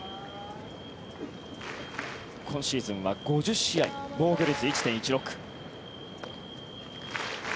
今シーズンは５０試合防御率１．１６。